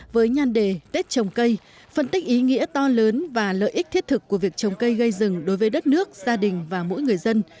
với nhan đề tết trồng cây phân tích ý nghĩa to lớn và lợi ích thiết thực của việc trồng cây gây rừng đối với đất nước gia đình và mỗi người dân